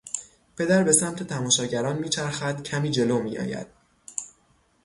پدر به سمت تماشاگران میچرخد کمی جلو میآید